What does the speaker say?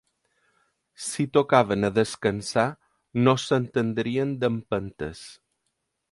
Si tocaven a descasar, no s'entendrien d'empentes.